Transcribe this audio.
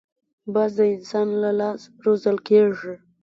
باز د انسان له لاس روزل کېږي